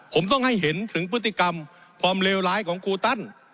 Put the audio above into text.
ผมต้องให้เห็นถึงพฤติกรรมความเลวร้ายของครูตัน